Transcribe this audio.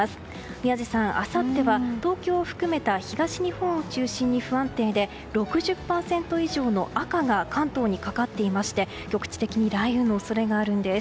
宮司さん、あさっては東京を含めた東日本を中心に不安定で、６０％以上の赤が関東にかかっていまして局地的に雷雨の恐れがあるんです。